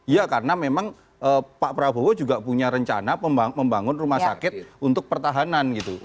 ya karena memang pak prabowo juga punya rencana membangun rumah sakit untuk pertahanan gitu